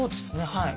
はい。